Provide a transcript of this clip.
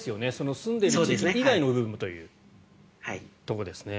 住んでいる地域以外の部分というところですね。